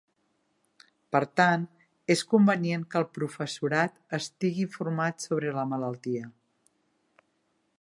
Per tant, és convenient que el professorat estigui informat sobre la malaltia.